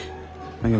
大丈夫。